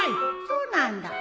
そうなんだ？